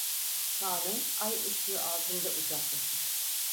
Kağnı ay ışığı altında uzaklaşır.